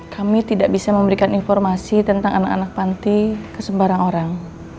kami tidak bisa memberikan informasi tentang anak anak panti ke sembarang orang